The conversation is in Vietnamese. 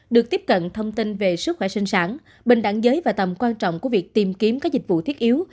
được tiếp cận thông tin về sức khỏe sinh sản bình đẳng giới và tầm quan trọng của việc tìm kiếm các dịch vụ thiết yếu